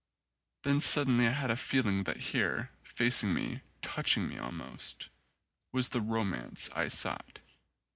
Then suddenly I had a feeling that here, facing me, touching me almost, was the romance I sought.